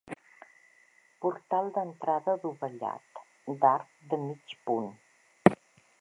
Portal d'entrada adovellat, d'arc de mig punt.